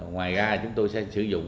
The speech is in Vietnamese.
ngoài ra chúng tôi sẽ sử dụng